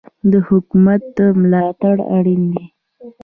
د حکومت ملاتړ اړین دی.